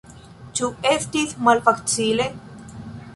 Ĉu estis malfacile?